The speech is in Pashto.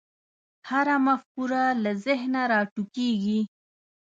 هره مفکوره له ذهنه راټوکېږي.